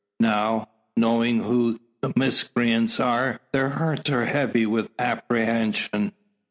Now, knowing who the miscreants are, their hearts are heavy with apprehension.